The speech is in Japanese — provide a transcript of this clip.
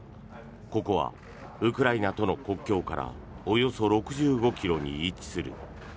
ここはウクライナとの国境からおよそ６５ｋｍに位置する。